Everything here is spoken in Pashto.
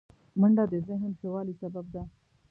منډه د ذهن ښه والي سبب ده